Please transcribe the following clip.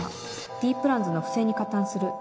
Ｄ プランズの不正に加担する